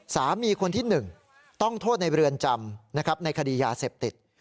สามีคนที่๑ต้องโทษในเรือนจำในคดียาเสพติธรรม